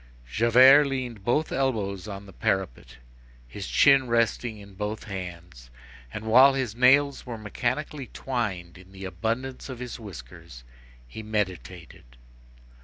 Javert leaned both elbows on the parapet, his chin resting in both hands, and, while his nails were mechanically twined in the abundance of his whiskers, he meditated.